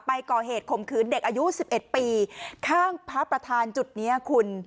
ไปก่อเหตุคมคืนเด็กอายุสิบเอ็ดปีข้างพระประธานจุดเนี้ยคุณ